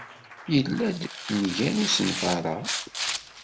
Yella-d mgal usenfar-a.